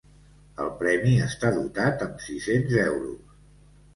El premi està dotat amb sis-cents euros.